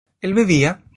¿él bebía?